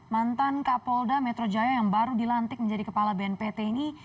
mantan kapolda metro jaya yang baru dilantik menjadi kepala bnpt ini